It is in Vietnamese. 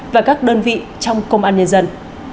và các đơn vị trong công an nhân dân